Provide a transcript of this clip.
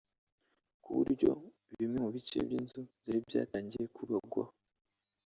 ku buryo bimwe mu bice by’inzu byari byatangiye kubagwaho